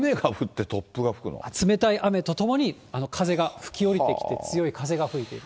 冷たい雨とともに、風が吹き降りてきて、強い風が吹いている。